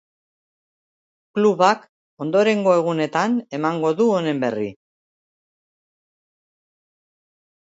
Klubak ondorengo egunetan emango du honen berri.